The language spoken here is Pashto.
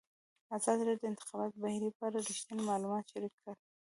ازادي راډیو د د انتخاباتو بهیر په اړه رښتیني معلومات شریک کړي.